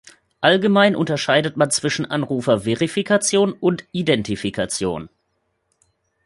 Allgemein unterscheidet man zwischen Anrufer-Verifikation und -Identifikation.